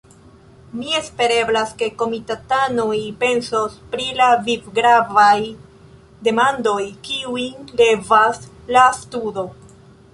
Mi espereblas, ke komitatanoj pensos pri la vivgravaj demandoj, kiujn levas la studo!